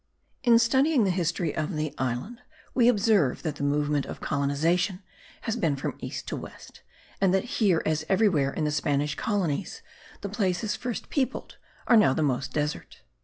In studying the history of the island we observe that the movement of colonization has been from east to west; and that here, as everywhere in the Spanish colonies, the places first peopled are now the most desert.